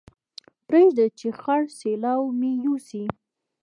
پرېږده چې خړ سېلاو مې يوسي